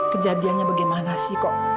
kejadiannya bagaimana sih kok